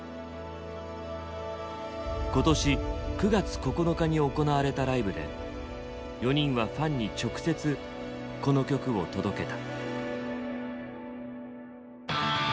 今年９月９日に行われたライブで４人はファンに直接この曲を届けた。